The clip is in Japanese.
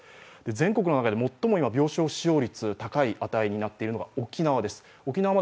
全国の中で最も今、病床使用率が高い値になっているのが沖縄です、沖縄は